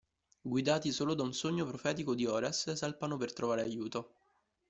Guidati solo da un sogno profetico di Horace, salpano per trovare aiuto.